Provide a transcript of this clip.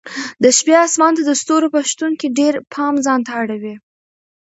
د شپې اسمان د ستورو په شتون کې ډېر پام ځانته اړوي.